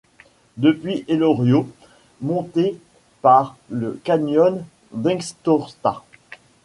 Depuis Elorrio monter par le canyon d'Intxorta.